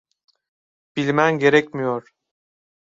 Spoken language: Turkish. Bilmen gerekmiyor.